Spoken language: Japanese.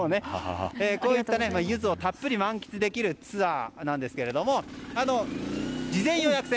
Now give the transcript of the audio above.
こういった、ユズをたっぷりと満喫できるツアーなんですが事前予約制。